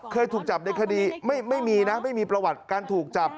เคยถูกจับในคดีไม่มีนะไม่มีประวัติการถูกจับ